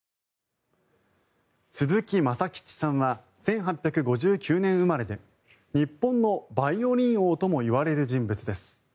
鈴木政吉さんは１８５９年生まれで日本のバイオリン王ともいわれる人物です。